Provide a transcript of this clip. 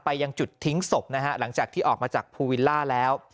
ยังจุดทิ้งศพนะฮะหลังจากที่ออกมาจากภูวิลล่าแล้ว